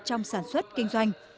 trong sản xuất kinh doanh